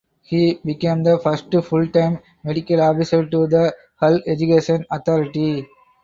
He became the first full time medical officer to the Hull Education Authority.